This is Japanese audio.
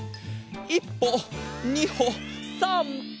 １ぽ２ほ３ぽ。